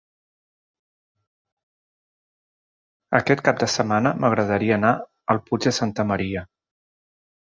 Aquest cap de setmana m'agradaria anar al Puig de Santa Maria.